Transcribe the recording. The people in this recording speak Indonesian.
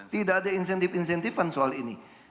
tidak ada insentif insentifan soal ini